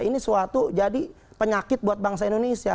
ini suatu jadi penyakit buat bangsa indonesia